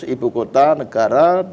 ibu kota negara